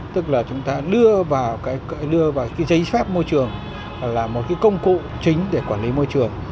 tức là chúng ta đưa vào đưa vào cái giấy phép môi trường là một cái công cụ chính để quản lý môi trường